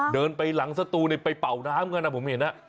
เดินไปหลังสตูไปเป่าน้ำกันนะผมเห็น